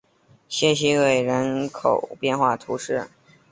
谢西厄人口变化图示